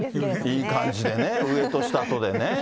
いい感じでね、上と下とでね。